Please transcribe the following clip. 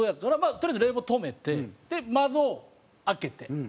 とりあえず冷房止めて窓を開けて。